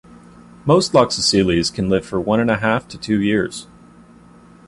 Most "Loxosceles" can live for one and a half to two years.